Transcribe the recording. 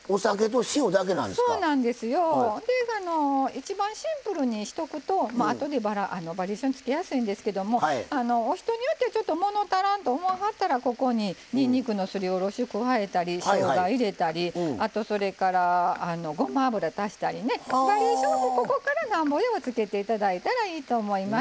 一番シンプルにしとくとあとでバリエーションつけやすいんですけどもあの人によってはちょっともの足らんと思わはったらここににんにくのすりおろしを加えたりしょうが入れたりあとそれからごま油足したりねバリエーションをここからなんぼでもつけて頂いたらいいと思います。